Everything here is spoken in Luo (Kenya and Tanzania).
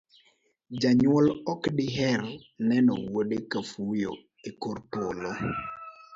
Janyuol ok diher neno wuode ka fuyo e kor polo,